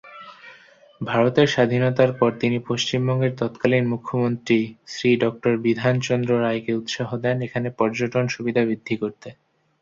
ভারতের স্বাধীনতার পর তিনি পশ্চিমবঙ্গের তৎকালীন মুখ্যমন্ত্রী শ্রী ডঃ বিধানচন্দ্র রায়কে উৎসাহ দেন এখানে পর্যটন সুবিধা বৃদ্ধি করতে।